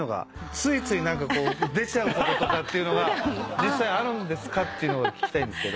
ついつい出ちゃうこととかっていうのが実際あるんですかっていうのが聞きたいんですけど。